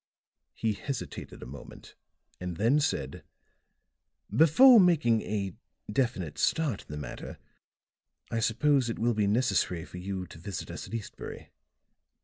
He hesitated a moment, and then said: "Before making a definite start in the matter, I suppose it will be necessary for you to visit us at Eastbury.